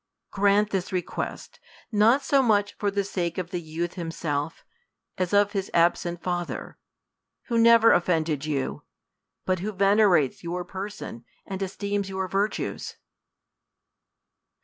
Grant this request, not so much for the sake of the youth himxself, as of his absent father, who never offended you, but who venerates your person and esteems your virtues.